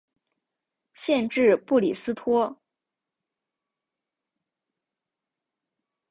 县治布里斯托。